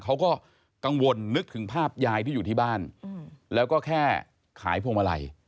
เขาก็กังวลนึกถึงภาพยายที่อยู่ที่บ้านแล้วก็แค่ขายพวงมาลัย